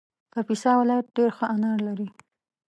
کاپیسا ولایت ډېر ښه انار لري